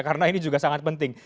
karena ini juga sangat penting